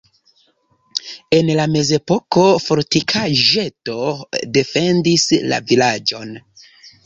En la mezepoko fortikaĵeto defendis la vilaĝon.